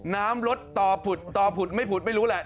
น้ำลดต่อผุดต่อผุดไม่ผุดไม่รู้แหละ